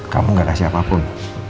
kamu gak kasih apapun